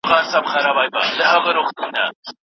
ځينو خلګو له مذهب څخه ناوړه ګټه اخيسته.